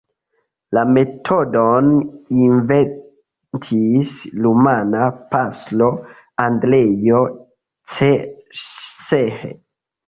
La metodon inventis rumana pastro Andreo Cseh.